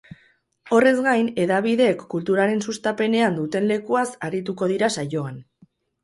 Horrez gain, hedabideek kulturaren sustapenean duten lekuaz arituko dira saioan.